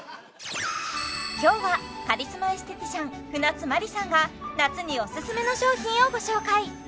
今日はカリスマエステティシャン舟津真里さんが夏におすすめの商品をご紹介